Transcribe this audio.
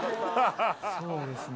そうですね